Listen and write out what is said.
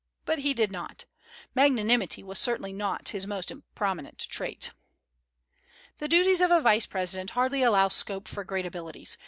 But he did not. Magnanimity was certainly not his most prominent trait. The duties of a vice president hardly allow scope for great abilities.